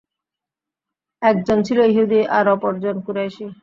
একজন ছিল ইহুদী আর অপরজন কুরাইশী।